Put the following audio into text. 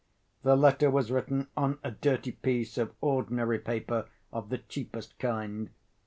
The letter was written on a dirty piece of ordinary paper of the cheapest kind.